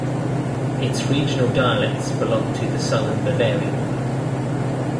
Its regional dialects belong to the Southern Bavarian group.